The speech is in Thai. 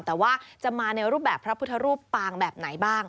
แต่ว่าจะมาในรูปแบบพระพุทธรูปปางแบบไหนบ้าง